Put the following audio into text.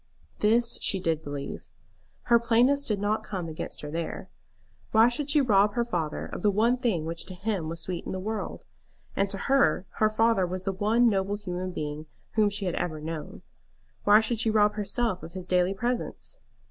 This she did believe. Her plainness did not come against her there. Why should she rob her father of the one thing which to him was sweet in the world? And to her, her father was the one noble human being whom she had ever known. Why should she rob herself of his daily presence?